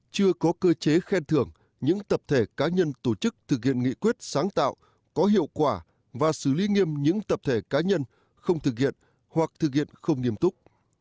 chưa có cơ chế khen thưởng những tập thể cá nhân tổ chức thực hiện nghị quyết sáng tạo có hiệu quả và xử lý nghiêm những tập thể cá nhân không thực hiện hoặc thực hiện không nghiêm túc